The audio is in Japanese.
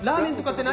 って